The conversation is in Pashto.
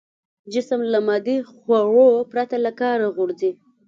جسم له مادي خوړو پرته له کاره غورځي.